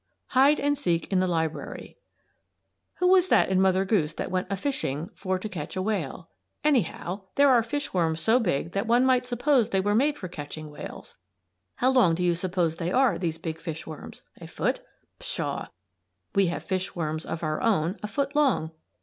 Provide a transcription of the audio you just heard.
HIDE AND SEEK IN THE LIBRARY Who was that in Mother Goose that went a fishing "for to catch a whale"? Anyhow, there are fishworms so big that one might suppose they were made for catching whales. How long do you suppose they are, these big fishworms? A foot? Pshaw! We have fishworms of our own a foot long.